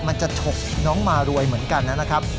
ฉกน้องมารวยเหมือนกันนะครับ